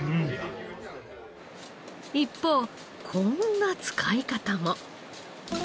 一方こんな使い方も。